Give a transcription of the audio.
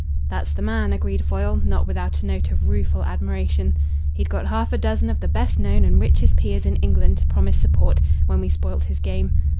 "That's the man," agreed Foyle, not without a note of rueful admiration. "He'd got half a dozen of the best known and richest peers in England to promise support, when we spoilt his game.